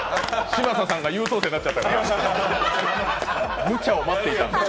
嶋佐さんが優等生になっちゃったから、無茶を待っていた。